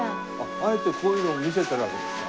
あえてこういうのを見せてるわけですか？